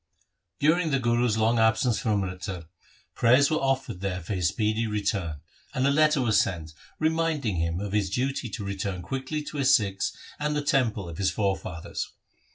During the Guru's long absence from Amritsar, prayers were offered there for his speedy return, and a letter was sent reminding him of his duty to return quickly to his Sikhs and the temple of his forefathers.